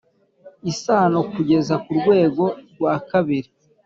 isano kugeza ku rwego rwa kabiri